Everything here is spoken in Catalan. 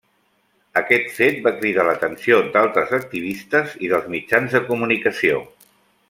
Aquest fet va cridar l'atenció d'altres activistes i dels mitjans de comunicació.